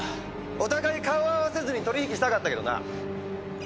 お互い顔を合わせずに取り引きしたかったけどな。